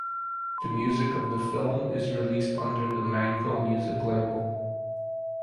The music of the film is released under the Mango Music label.